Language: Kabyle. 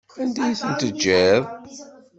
Anda ay ten-tejjiḍ?